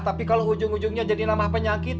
tapi kalau ujung ujungnya jadi nama penyakit